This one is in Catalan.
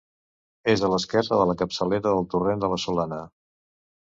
És a l'esquerra de la capçalera del torrent de la Solana.